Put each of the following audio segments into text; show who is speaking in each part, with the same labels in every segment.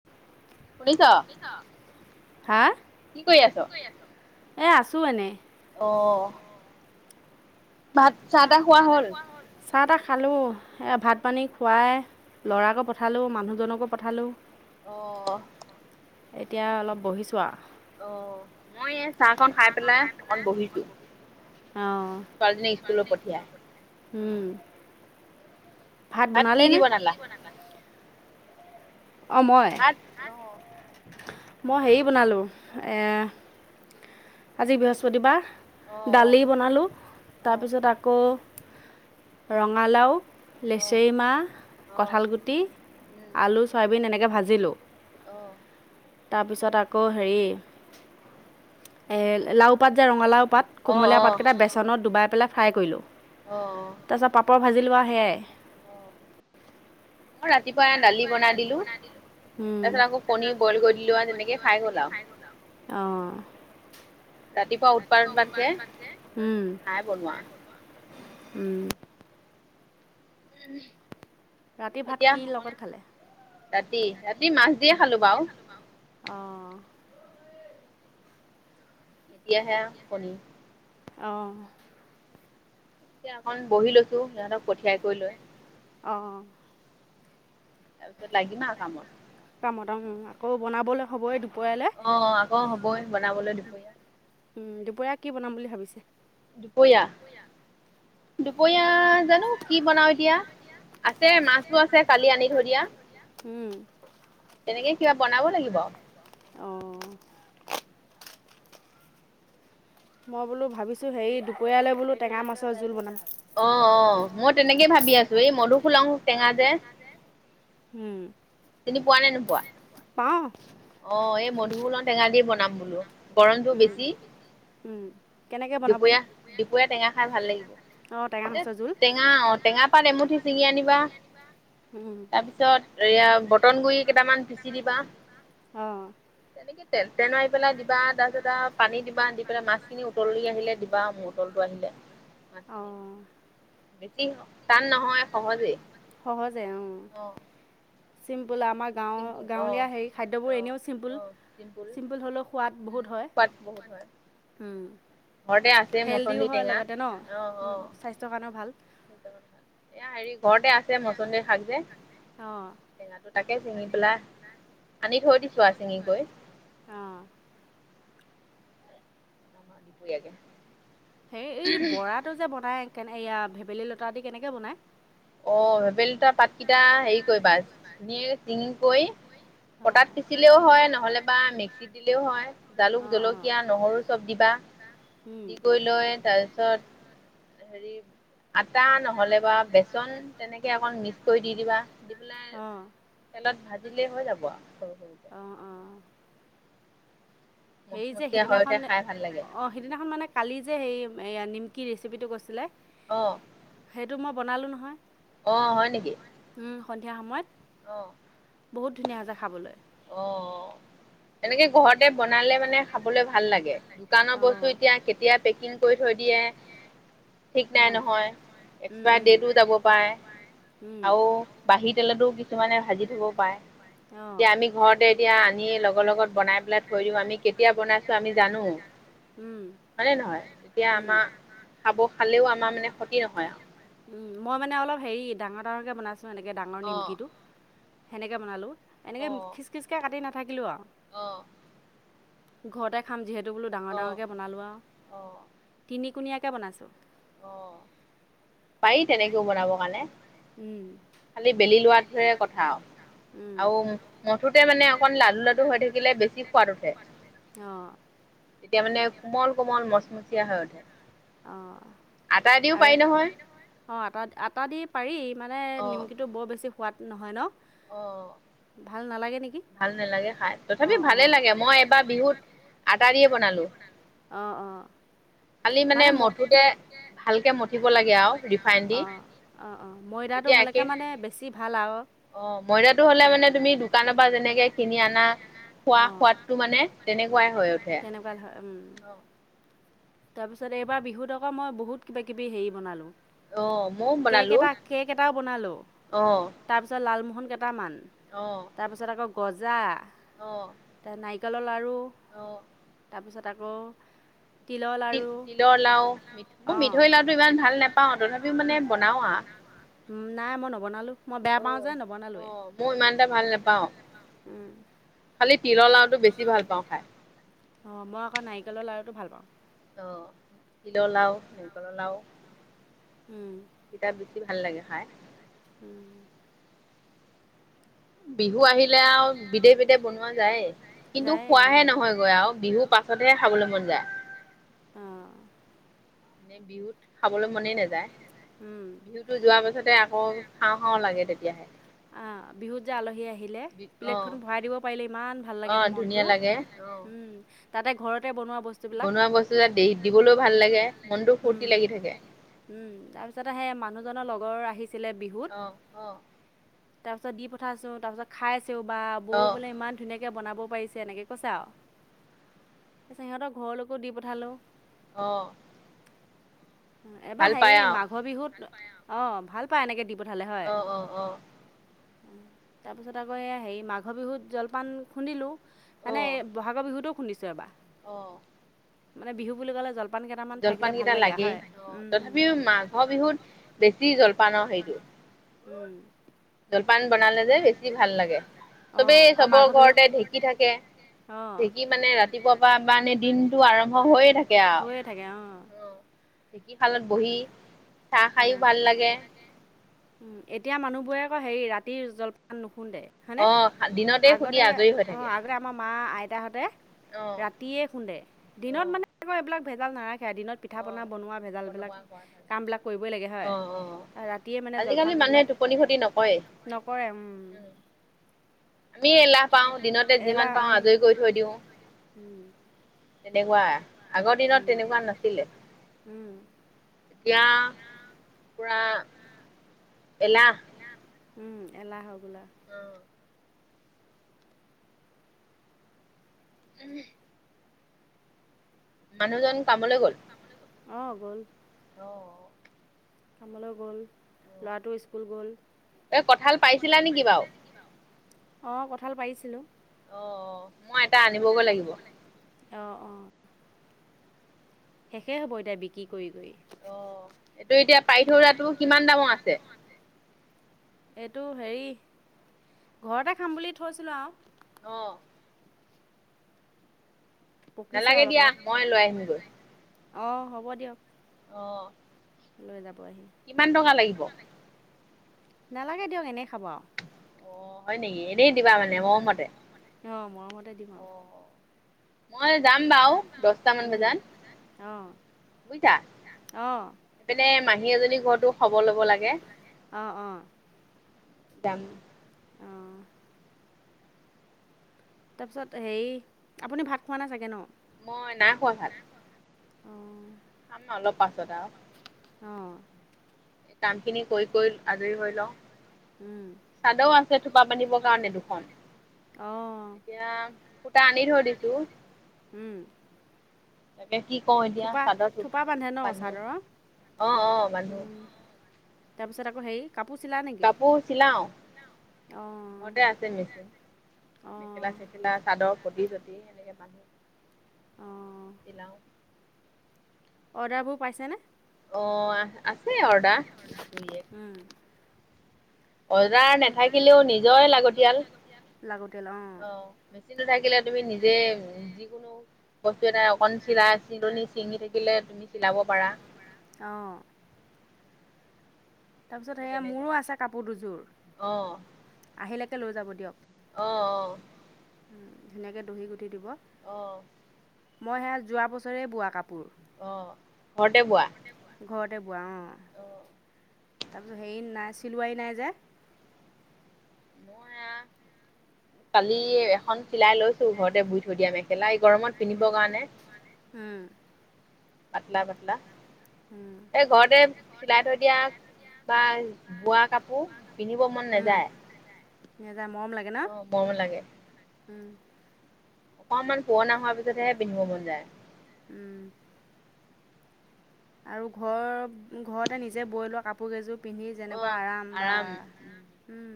Speaker 1: শুনিছ হা! কি কৰি আছ? এই আছোঁ এনেই।
Speaker 2: অঁ - ভাত চাহ তাহ খোৱা হ'ল।
Speaker 1: চাহ তাহ খালোঁ! এ ভাত পানী খুৱাই ল'ৰাকো পঠালোঁ মানুহজনকো পঠালোঁ।
Speaker 2: অঁ!
Speaker 1: এতিয়া অলপ বহিছোঁ আও।
Speaker 2: অঁ! মই এই চাহ কন-
Speaker 1: চাহ‌ কন খাই পেলায় মই বহিছোঁ। অঁ ছোৱালী জনীক স্কুলে পঠিয়াই ওম। ভাত বনালে নে? কি দি বনালে। অঁ মই, মই হেৰি বনালো এ- আজি বৃহস্পতিবাৰ দালি বনালোঁ তাৰপিছত আকৌ- ৰঙালাও, লেচৰি মাহ, কঁঠালগুটি- আলু চয়াবিন এনেকে ভাজিলোঁ। তাৰপিছত আকৌ হেৰি- এ লাও পাত যে ৰঙালাও পাত কোমলীয়া পাতকেইটা বেচনত ডুবাই পেলাই ফ্ৰাই কৰিলোঁ।
Speaker 2: অ।
Speaker 1: তাৰপাছত পাপৰ ভাজিলো আৰু সেয়াই। মই ৰাতিপুৱা দালি বনাই দিলো, উম, তাৰ পিছত আকৌ কনি বইল কৰি দিলো আৰু তেনেকে খাই গল আও। অঁ। ৰাতিপুৱা [inaudible] যে, উম, নাই বনোৱা, উম।
Speaker 2: [inaudible] এতিয়া ৰাতি, ৰাতি মাছ দিয়ে খালো বাও।
Speaker 1: অঁ।
Speaker 2: এতিয়াহে কণী।
Speaker 1: অঁ।
Speaker 2: এতিয়া একন বহি লৈছোঁ সিহঁতক পঠিয়াই কৰি লৈ।
Speaker 1: অঁ।
Speaker 2: তাৰপিছত লাগিম আও কামত।
Speaker 1: কামতং আকৌ বনাবলৈ হবই দু
Speaker 2: অ অ আকৌ হবই বনাবলৈ দুপৰীয়া।
Speaker 1: উম দুপৰীয়া কি বনাম বুলি ভাবিছে?
Speaker 2: দুপৰীয়া দুপৰীয়া জানো কি বনাও এতিয়া। আছে মাছো আছে কালি আনি থৈ দিয়া।
Speaker 1: উম, অহ। মই বোলো ভাবিছোঁ হেৰী দুপৰীয়ালৈ বোলো টেঙা মাছৰ জোল বনাম।
Speaker 2: অ অ মই তেনেকে ভাবি আছোঁ, এই মধুসোলং টেঙা যে
Speaker 1: হুম।
Speaker 2: চিনি পোৱা নে নোপোৱা?
Speaker 1: পাওঁ।
Speaker 2: অ এই মধুফুলন টেঙা দি বনাম বোলো।
Speaker 1: উম উম।
Speaker 2: দুপৰীয়া দুপৰীয়া টেঙা খাই ভাল লাগিব। এ টেঙা অ টেঙা পাত এমুঠি ছিঙি আনিবা। তাৰ পিছত এয়া বটন গুৰি কেইটামান পিচি দিবা।
Speaker 1: অঁ।
Speaker 2: তেনেকে তে তেনাই পেলাই দিবা তাৰপিছত পানী দিবা দি পেলাই মাছখিনি উ উতলি আহিলে দিবা মোৰ উতলটো আহিলে মাছখিনি। বেছি টান নহয় সহজে অহ।
Speaker 1: চিম্পল আমাক। গাঁৱ গাঁৱলীয়া হেৰি খাদ্যবোৰ এনেও চিম্পুল চিম্পুল হ'লেও সোৱাদ বহুত হয়। উম হেলডিও হয় লগতে ন উ স্বাস্থ্যৰ কাৰণেও ভাল।
Speaker 2: ভ এয়া হেৰি ঘৰতে আছে মছন্দৈ শাক যে টেঙাটো তাকে চিঙি পেলাই থৈ দিছো চিঙি গৈ। [inaudible]
Speaker 1: হেই এই বৰাটো যে বনাই কেনে এইয়া ভেবেলী লতা দি, কেনেকৈ বনাই?
Speaker 2: অ ভেপেলী লতা পাতকেইটা হেৰি কৰিবা তুমি চিঙি কৰি পটাত পিচিলেও হয় নহলে বা মিক্সিত দিলেও হয় জালুক জলকীয়া নহৰু চব দিবা।
Speaker 1: কি?
Speaker 2: লৈ, তাৰপিছত, আটা নহ'লে বা বে [unintelligible] তেনেকে অকন মিক্স কৰি দি দিবা, দি পেলাই তেলত ভাজিলেই হৈ যাব আৰু, সৰু, সৰুকে।
Speaker 1: অ'। হেৰি যে, সিদিনাখন, অহ। সিদিনাখন মানে, কালি যে, সেই নিমকি ৰেচিপিটো কৈছিলে।
Speaker 2: অ'।
Speaker 1: সেইটো মই বনালোঁ নহয়।
Speaker 2: অ', হয় নেকি?
Speaker 1: উম, সন্ধিয়া সময়ত।
Speaker 2: অ'।
Speaker 1: বহুত ধুনীয়া হৈছে, খাবলৈ।
Speaker 2: অ', অ'। তেনেকে ঘৰতে বনালে মানে, খাবলৈ ভাল লাগে। দোকানৰ বস্তু এতিয়া, কেতিয়া পেকিং কৰি থৈ দিয়ে। ঠিক নাই নহয়। এক্সপায় ডেটো যাব পাৰে, আৰু বাহী তেলতো কিছুমানে ভাজি থ'ব পাৰে। এতিয়া আমি, ঘৰতে এতিয়া, আনি লগত, লগত বনাই পেলাই থৈ দিওঁ। আমি কেতিয়া বনাইছো, আমি জানো। হয়নে নহয়, তেতিয়া আমা, খাব খালেও আমাৰ মানে, ক্ষতি নহয় আৰু।
Speaker 1: উম, মই মানে অলপ হেৰি, ডাঙৰ, ডাঙৰকৈ বনাইছোঁ, এনেকে ডাঙৰ নিমকিটো, সেনেকে বনালোঁ। এনেকে, খিচখিচকে কাটি নাথাকিলোঁ আৰু।
Speaker 2: অ'।
Speaker 1: ঘৰতে খাম, যিহেতু বোলো ডাঙৰ, ডাঙৰকৈ বনালোঁ আৰু, তিনিকোণীয়াকে বনাইছোঁ।
Speaker 2: পাৰি তেনেকেও বনাব কাৰণে।
Speaker 1: উম।
Speaker 2: খালি বেলি লোৱাটোহে কথা আৰু। আৰু মুঠতে মানে অকণ লাডু, লাডু হৈ থাকিলে বেছি কি সোৱাদ উঠে। তেতিয়া মানে, কোমল, কোমল মচমচীয়া হৈ উঠে।
Speaker 1: অ', আৰু অ', আটা, আটা দি পাৰি, মানে নিমকিটো বৰ বেছি সোৱাদ নহয় ন।
Speaker 2: অ', ভাল নালাগে খাই। তথাপি ভালে লাগে। মই এবাৰ বিহুত আটা দিয়ে বনালো।
Speaker 1: অ', অ'।
Speaker 2: খালি মানে, মঠোতে
Speaker 1: অ', অ', অ', ময়দাটো হ'লেকে মানে, বেছি ভাল আৰু।
Speaker 2: অ', ময়দাটো হ'লে মানে, তুমি দোকানৰ পৰা যেনেকে কিনি আনা। খোৱা সোৱাদটো মানে, তেনেকুৱাই হৈ উঠে।
Speaker 1: হয়, হয়, উম। তাৰপিছত এইবাৰ বিহুত আকৌ, মই বহুত কিবাকিবি হেৰি বনালোঁ। কেক এটা, কেক এটাও বনালো, তাৰপিছত লালমোহন কেইটামান।
Speaker 2: অ'।
Speaker 1: তাৰপিছত, আকৌ গজা।
Speaker 2: অ'।
Speaker 1: তা নাৰিকলৰ লাৰু, তাৰপিছত আকৌ
Speaker 2: তিল তিলৰ লাৰু, মিঠ মই মিঠৈৰ লাৰুটো ইমান ভাল নাপাওঁ, তথাপিও মানে বনাওঁ আৰু।
Speaker 1: উম, নাই মই নবনালোঁ, মই বেয়া পাওঁ যে, নবনালোৱেই।
Speaker 2: মোৰ ইমান
Speaker 1: ইমান এটা ভাল নাপাওঁ উম
Speaker 2: খালি তিলৰ লাৰুটো বেছি ভাল পাওঁ খাই।
Speaker 1: অ, মই আকৌ নাৰিকলৰ লাৰুটো ভাল পাওঁ।
Speaker 2: অ, তিলৰ লাউ, নাৰিকলৰ লাউ। সেইকেইটা বেছি ভাল লাগে খাই।
Speaker 1: উম
Speaker 2: বিহু আহিলে আউ বিদে বিদে বনোৱা যায় কিন্তু খোৱাহে নহয়গৈ আউ বিহু পা ছতে খাবলে মন যায়
Speaker 1: অ
Speaker 2: যে বিহুত খাবলৈ মনেই নেযায় বিহুতো যোৱাৰ পাছতে আকৌ খাওঁ খাওঁ লাগে তেতিয়াহে
Speaker 1: আহ বিহুত যে আলহী আহিলে প্লেটখন ভৰাই দিব পাৰিলে ইমান ভাল লাগে ন মনটো উম তাতে ঘৰতে বনোৱা বছ
Speaker 2: বনোৱা বস্তু যত দেহ দিবলৈও ভাল লাগে মনতো ফূৰ্তি লাগি থাকে
Speaker 1: উম তাৰপিছত আহে মানুহজনৰ লগৰ আহিছিলে বিহুত তাৰ পিছত দি পঠাইছো তাৰ পিছত খাই আছেও বা বৌ বোলে ইমান ধুনীয়াকে বনাব পাৰিছে এনেকে কছে আউ তাছত সিহঁতক ঘৰলৈকো দি পঠালোঁ
Speaker 2: অঁ
Speaker 1: এবা হেই মাঘৰ বিহুত অঁ ভাল পায় এনেকে দি পঠালে হয় তাৰপিছত আকৌ এইয়া হেৰি মাঘ বিহুত জলপান খুন্দিলোঁ মানে এই বহাগৰ বিহুটো খুন্দিছো এবা মানে বিহু বুলি ক'লে জলপান কেটামান থাকিলে ভাল লাগে আউ হয়
Speaker 2: অ তথাপিও মাঘৰ বিহুত বেছি জলপান ন সেইটো
Speaker 1: উম
Speaker 2: জলপান বনালে যে বেছি ভাল লাগে চবেই চবৰ ঘৰতে ঢেঁকী থাকে ঢেঁকি মানে ৰাতিপুৱাৰ পা বানে দিনটো আৰম্ভ হৈয়ে থাকে আউ অ ঢেঁকী খালত বহি
Speaker 1: উম চাহ খাইও ভাল লাগে উ এতিয়া মানুহবোৰে আকৌ হেৰি ৰাতি জলপান নুখুন্দে হয়নে আগতে অঁ আগতে আমাৰ মা আইতাহঁতে ৰাত তিয়ে খুন্দে দিনত মানে এইবিলাক ভেজাল নাৰাখে দিনত পিঠা পনা বনোৱা ভেজালবিলাক কামবিলাক কৈবই লাগে হয় ৰাতিয়ে মানে জলপান বিলাক নকৰে উম
Speaker 2: আমি এলাহ পাও দিনতে যিমান পাও আজই কৰি থৈ দিও এলেহুৱা আগৰ দিনত তেনেকুৱা নাছিলে
Speaker 1: উম
Speaker 2: এতিয়া পুৰা এলাহ
Speaker 1: উম এলাহ হয় বোলা
Speaker 2: আ [unintelligible] মানুহজন কামলৈ গ'ল
Speaker 1: অ গ'ল
Speaker 2: অ অ
Speaker 1: কামলৈ গ'ল ল'ৱাটো স্কুল গ'ল
Speaker 2: এ কঁঠাল পাইছিলা নেকি বাউ
Speaker 1: অঁ কঁঠাল পাৰিছিলোঁ
Speaker 2: অ অ
Speaker 1: অ', অ'। শেষে হ'ব এতিয়া বিক্ৰী কৰি, কৰি।
Speaker 2: অ' এইটো এতিয়া পাৰিথৌৰাটো কিমান দামৰ আছে?
Speaker 1: এইটো হেৰি ঘৰতে খাম বুলি থৈছিলো আৰু।
Speaker 2: অ'।
Speaker 1: পকিছে অলপ [unintelligible] অ হ'ব দিয়ক।
Speaker 2: অহ।
Speaker 1: লৈ যাব আহি।
Speaker 2: কিমান টকা লাগিব।
Speaker 1: নালাগে দিয়ক এনে খাব।
Speaker 2: অ' হয় নেকি এনেই দিবা মানে মৰমতে।
Speaker 1: অ' মৰমতে দিম আৰু।
Speaker 2: মই যাম বাৰু দহটা মান বজাত বুজিছা। সেই পিনে মাহী এজনীৰ ঘৰতো খবৰ ল'ব লাগে।
Speaker 1: অ', অ'।
Speaker 2: যাম।
Speaker 1: তাৰপিছত হেৰি আপুনি ভাত খোৱা নাই চাগে নহ।
Speaker 2: মই নাই খোৱা ভাত।
Speaker 1: অহ।
Speaker 2: খাম অলপ পাছত আৰু।
Speaker 1: অ'।
Speaker 2: কাম খিনি কৰি, কৰি আজৰি হৈ লওঁ চাদৰ আছে থোপা বান্ধিবৰ কাৰণে দুখন।
Speaker 1: অহ।
Speaker 2: এতিয়া সুতা আনি থৈ দিছোঁ।
Speaker 1: উম।
Speaker 2: তাকে, কি কওঁ এতিয়া চাদত মানো বান্ধো অ', অ' বান্ধো।
Speaker 1: তাৰপিছত আকৌ হেৰি। কাপোৰ। [unintelligible]
Speaker 2: কাপোৰ চিলাও। ঘৰতে আছে মেচিন মেখেলা চেখেলা চাদৰ পতি [unintelligible] চিলাও।
Speaker 1: অৰ্ডাৰবোৰ পাইছানে?
Speaker 2: অ' আছে অৰ্ডাৰ।
Speaker 1: উম। অৰ্ডাৰ নাথাকিলেও নিজৰে লাগতিয়াল, লাগতিয়াল অ'।
Speaker 2: মেচিনটো থাকিলে তুমি নিজে যিকোনো বস্তু এটা অকন চিলাই চিলনি চিঙি থাকিলে তুমি চিলাব পাৰা।
Speaker 1: অ'। তাৰপিছত সেয়া মোৰো আছে কাপোৰ দুজোৰ আহিলৈকে লৈ যাব দিয়ক।
Speaker 2: অ', অ'।
Speaker 1: ধুনীয়াকে দহি গুঠি দিব।
Speaker 2: অ'।
Speaker 1: মই সেয়া যোৱা বছৰে বোৱা কাপোৰ।
Speaker 2: অ' ঘৰতে বোৱা।
Speaker 1: ঘৰতে বোৱা অ' তাৰপিছত হেৰি নাই চিলোৱাই নাই যে
Speaker 2: কালি এখন চিলাই লৈছোঁ। ঘৰতে বুই থৈ দিয়া মেখেলা এই গৰমত পিন্ধিবৰ কাৰণে।
Speaker 1: উম'
Speaker 2: পাটলা পাটলা। এই ঘৰতে চিলাই থৈ দিয়া বা বোৱা কাপোৰ। মোৰ পিন্ধিব মন নাযায়।
Speaker 1: নযায় মৰম লাগে ন উম।
Speaker 2: অকণমান পুৰণা হোৱা পিছতহে পিন্ধিব মন যায়।
Speaker 1: উম' আৰু ঘৰ ঘৰতে নিজে বৈ লোৱা কাপোৰ কেইযোৰ। পিন্ধি যেনেকুৱা আৰাম বা, উম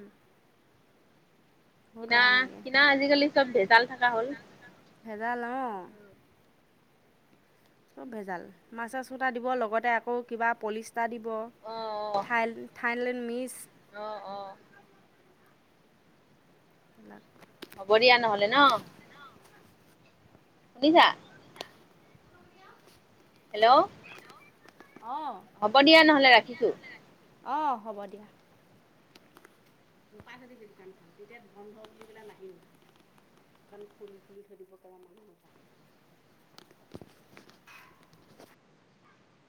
Speaker 2: কিনা কিনা আজিকালি চব ভেজাল থাকা হ'ল।
Speaker 1: ভেজাল অ' চব ভেজাল, মাছাজ সুতা দিব লগতে আকৌ কিবা পলিচ, টা দিব, ঠাই ঠাইলেং মিক্স।
Speaker 2: অ', অ'।
Speaker 1: [unintelligible]
Speaker 2: হ'ব দিয়া নহলে ন। শুনিছা? হেল্ল'?
Speaker 1: হেল্ল' অঁ হ'ব দিয়া নহ'লে অঁ হ'ব দিয়া। তোৰপাই থৈদিবি দোকানখন তেতিয়া বন্ধ বুলি পেলাই নাহিব। দোকাণ খুলি খুলি থৈ দিব পৰা মানুহ ন।